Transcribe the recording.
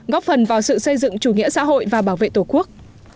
góp phần vào sự xây dựng chủ nghĩa xã hội và bảo vệ tổ quốc